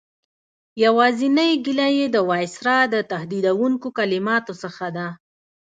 یوازینۍ ګیله یې د وایسرا د تهدیدوونکو کلماتو څخه ده.